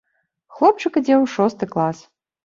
Хлопчык ідзе ў шосты клас.